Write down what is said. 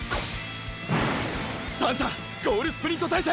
３者ゴールスプリント体勢！！